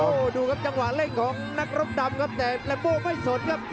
โอ้โหดูครับจังหวะเร่งของนักรบดำครับแต่แรมโบ้ไม่สนครับ